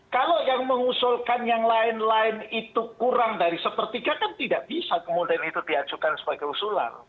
kalau yang mengusulkan yang lain lain itu kurang dari sepertiga kan tidak bisa kemudian itu diajukan sebagai usulan